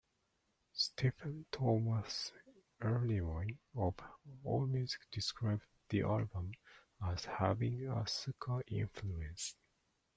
Stephen Thomas Erlewine of Allmusic described the album as having a ska influence.